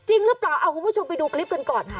จริงหรือเปล่าเอาคุณผู้ชมไปดูคลิปกันก่อนค่ะ